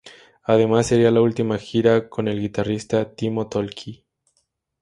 Además sería la última gira con el guitarrista Timo Tolkki.